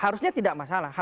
harusnya tidak masalah